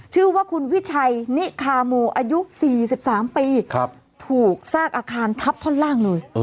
ชื่อว่าคุณวิชัยนิคาโมอายุ๔๓ปีถูกซากอาคารทับท่อนล่างเลย